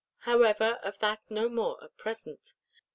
However, of that no more at present.